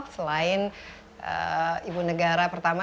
selain ibu negara pertama